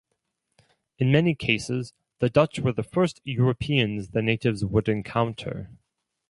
In many cases the Dutch were the first Europeans the natives would encounter.